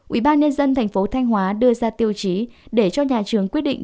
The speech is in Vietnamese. ubnd tp thanh hóa đưa ra tiêu chí để cho nhà trường quyết định